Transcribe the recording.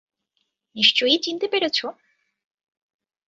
নিশ্চয়ই চিনতে পেরেছ।